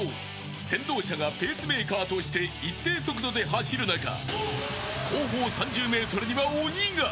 先導車がペースメーカーとして一定速度で走る中後方３０メートルには鬼が。